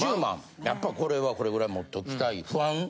やっぱこれはこれぐらい持っときたい不安？